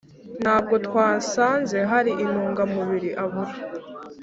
Ntabwo twasanze hari intunga mubiri abura